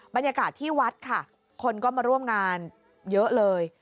บรรยากาศที่วัดค่ะคนก็มาร่วมงานเยอะเลย